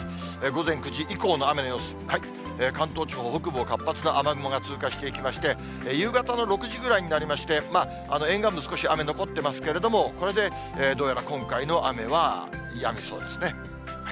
午前９時以降の雨の様子、関東地方北部を活発な雨雲が通過していきまして、夕方の６時ぐらいになりまして、沿岸部、少し雨残ってますけれども、これでどうやら今回の雨はやみそうですね。